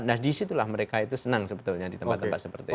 nah disitulah mereka itu senang sebetulnya di tempat tempat seperti itu